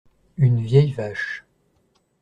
Une vieille vache.